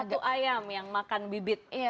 satu ayam yang makan bibit tetangga gitu ya